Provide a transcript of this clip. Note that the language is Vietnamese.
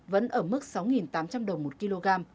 vẫn ở mức sáu tám trăm linh đồng một kg